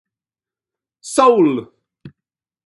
Sole!